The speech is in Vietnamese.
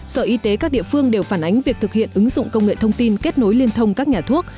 sở y tế các địa phương đều phản ánh việc thực hiện ứng dụng công nghệ thông tin kết nối liên thông các nhà thuốc